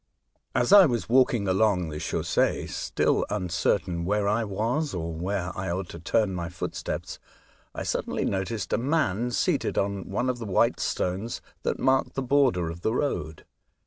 As I was walking along the cliaussee , still uncertain where I was, or where I ought to turn my footsteps, I suddenly noticed a man seated on one of the white stones that marked the border of the road.